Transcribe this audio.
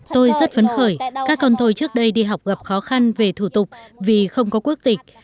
tôi rất phấn khởi các con tôi trước đây đi học gặp khó khăn về thủ tục vì không có quốc tịch